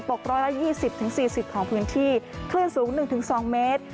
ตก๑๒๐๔๐ของพื้นที่คลื่นสูง๑๒เมตร